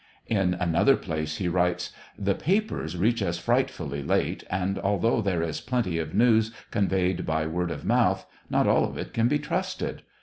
In another place he writes :*' The papers reach us frightfully late, and, although there is plenty of news conveyed by word of mouth, not all of it can be trusted.